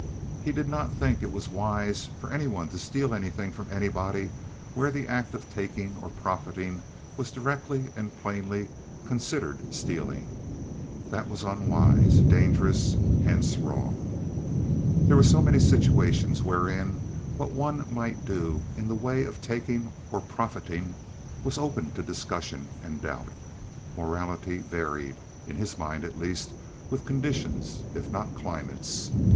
He did not think it was wise for any one to steal anything from anybody where the act of taking or profiting was directly and plainly considered stealing. That was unwise—dangerous—hence wrong. There were so many situations wherein what one might do in the way of taking or profiting was open to discussion and doubt. Morality varied, in his mind at least, with conditions, if not climates.